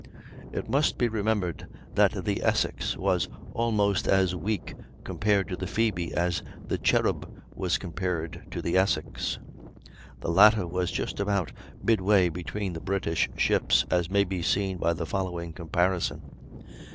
It must be remembered that the Essex was almost as weak compared to the Phoebe, as the Cherub was compared to the Essex. The latter was just about midway between the British ships, as may be seen by the following comparison.